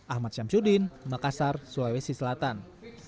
ahmad syamsuddin makassar sulawesi selatan